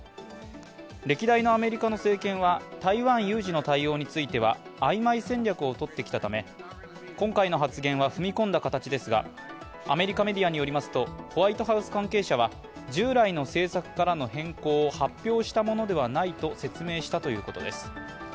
歴代のアメリカの政権は台湾有事の対応については曖昧戦略をとってきたため今回の発言は踏み込んだ形ですが、アメリカメディアによると、ホワイトハウス関係者は従来の政策からの変更を発表したものではないと説明したということです。